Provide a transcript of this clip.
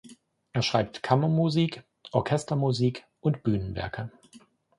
Er schreibt Kammermusik, Orchestermusik und Bühnenwerke.